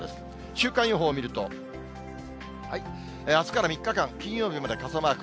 週間予報を見ると、あすから３日間、金曜日まで傘マーク。